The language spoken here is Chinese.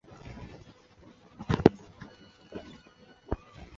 阿然人口变化图示